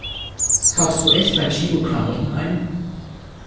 Kaufst du echt bei Tchibo Klamotten ein?